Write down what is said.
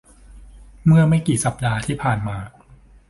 เมื่อไม่กี่สัปดาห์ที่ผ่านมา